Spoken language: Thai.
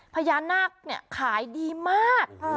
พญานาคค์เนี่ยขายดีมาก